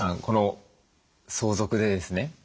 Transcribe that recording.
この相続でですね